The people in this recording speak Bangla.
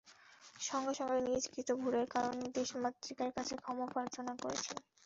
সঙ্গে সঙ্গে নিজ কৃত ভুলের কারণে দেশমাতৃকার কাছে ক্ষমা প্রার্থনা করেছেন।